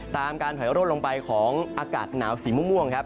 ตามการแผลลดลงไปของอากาศหนาวสีม่วง